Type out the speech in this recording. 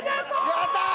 やったー！